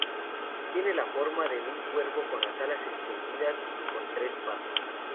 Tiene la forma de un cuervo con las alas extendidas y con tres patas.